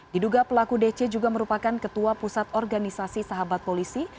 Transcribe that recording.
diduga pelaku dc juga merupakan ketua pusat organisasi sahabat polisi